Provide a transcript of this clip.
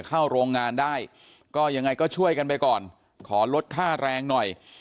เข้าโรงงานได้ก็ยังไงก็ช่วยกันไปก่อนขอลดค่าแรงหน่อย